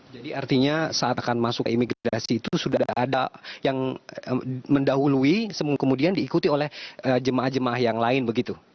jadi artinya saat akan masuk ke imigrasi itu sudah ada yang mendahului kemudian diikuti oleh jemaah jemaah yang lain begitu